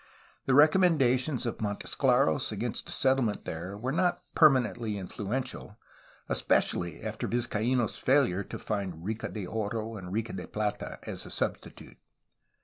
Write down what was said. The recommendations of Montesclaros against a settlement there were not perma nently influential, especially after Vizcaino^s failure to find Rica de Oro and Rica de Plata as a substitute.